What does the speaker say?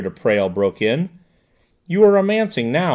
de Presles broke in; "you are romancing now, M.